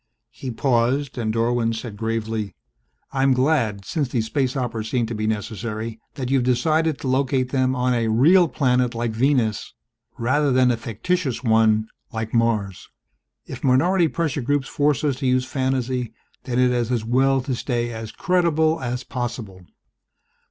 He paused and Dorwin said gravely, "I'm glad, since these space operas seem to be necessary, that you have decided to locate them on a real planet like Venus rather than a fictitious one like Mars. If minority pressure groups force us to use fantasy then it is as well to stay as credible as possible."